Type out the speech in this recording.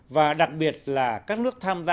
và đặc biệt là các nước tham gia